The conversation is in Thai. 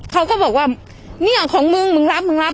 เขาก็บอกว่าเนี่ยของมึงมึงรับมึงรับ